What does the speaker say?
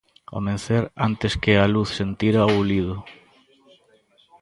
Ao mencer, antes que a luz sentira o ulido.